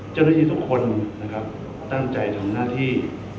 เจ้าหน้าที่ทุกคนนะครับตั้งใจทำหน้าที่